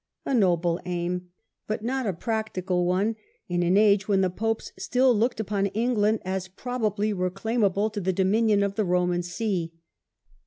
A noble aim ; but not a practical one in an age when the Popes still looked upon England as probably reclaimable to the dominion of the Roman see.